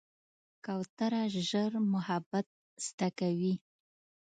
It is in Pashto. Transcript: کوتره ژر محبت زده کوي.